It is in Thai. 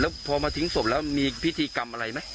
แล้วพอมาทิ้งศพแล้วมีพิธีกรรมอะไรไหม